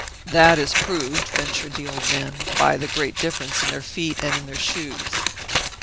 "That is proved," ventured the old man, "by the great difference in their feet and in their shoes."